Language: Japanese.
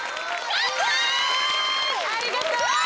ありがとう！